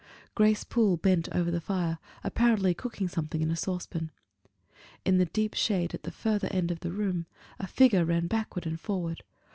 Grace Poole bent over the fire, apparently cooking something in a saucepan. In the deep shade, at the further end of the room, a figure ran backward and forward.